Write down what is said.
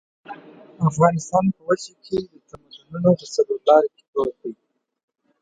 افغانستان په وچه کې د تمدنونو په څلور لاري کې پروت دی.